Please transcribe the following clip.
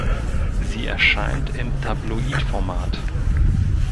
Sie erscheint im Tabloid-Format.